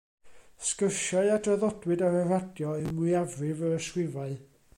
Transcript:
Sgyrsiau a draddodwyd ar y radio yw mwyafrif yr ysgrifau.